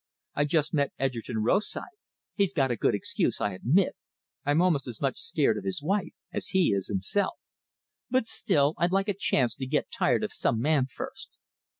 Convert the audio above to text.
I just met Edgerton Rosythe; he's got a good excuse, I admit I'm almost as much scared of his wife as he is himself. But still, I'd like a chance to get tired of some man first!